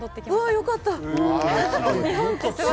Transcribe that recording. よかった。